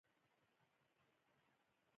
ایا زه د لمر ضد عینکې کارولی شم؟